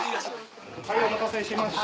お待たせしました。